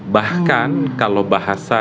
bahkan kalau bahasa